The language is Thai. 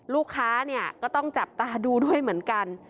ลูกค้าเนี่ยก็ต้องจับตาดูด้วยเหมือนกัน